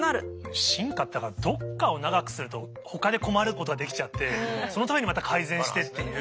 進化ってだからどこかを長くするとほかで困ることが出来ちゃってそのためにまた改善してっていう。